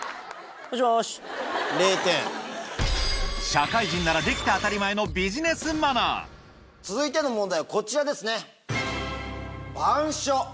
社会人ならできて当たり前のビジネスマナー続いての問題はこちらですね。